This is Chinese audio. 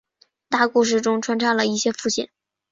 大故事中穿插了一些副线。